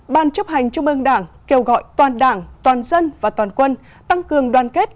bốn ban chấp hành trung ương đảng kêu gọi toàn đảng toàn dân và toàn quân tăng cường đoàn kết